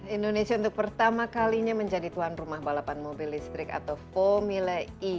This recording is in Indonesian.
indonesia untuk pertama kalinya menjadi tuan rumah balapan mobil listrik atau formula e